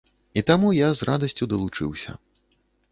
І таму я з радасцю далучыўся.